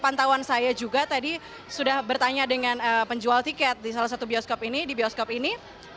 pantauan saya juga tadi sudah bertanya dengan penjual tiket di salah satu bioskop ini